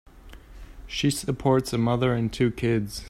She supports a mother and two kids.